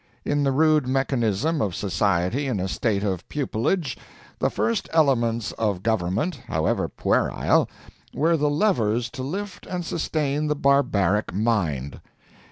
In the rude mechanism of society in a state of pupillage, the first elements of government, however puerile, were the levers to lift and sustain the barbaric mind.